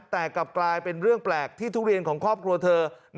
แต่กลับกลายเป็นเรื่องแปลกที่ทุเรียนของครอบครัวเธอ